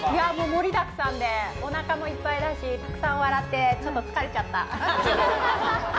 盛りだくさんでおなかもいっぱいだしたくさん笑ってちょっと疲れちゃった。